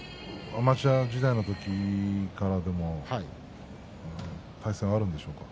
アマチュア時代の時からも対戦があるんでしょうか。